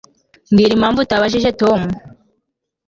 Mbwira impamvu utabajije Tom